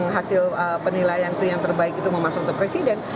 hasil penilaian itu yang terbaik itu memasukkan kepresiden